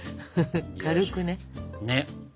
軽くね。